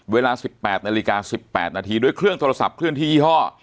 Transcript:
เวลา๑๘นาฬิกา๑๘นาทีด้วยเครื่องโทรศัพท์เคลื่อนที่ยี่ห้อ